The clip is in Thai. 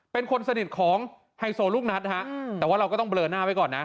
เป็นคนสนิทของไฮโซลูกนัดฮะแต่ว่าเราก็ต้องเลอหน้าไว้ก่อนนะ